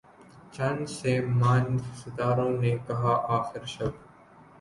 چاند سے ماند ستاروں نے کہا آخر شب